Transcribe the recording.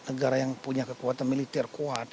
negara yang punya kekuatan militer kuat